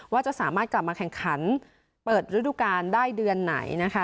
ว่าจะสามารถกลับมาแข่งขันเปิดฤดูกาลได้เดือนไหนนะคะ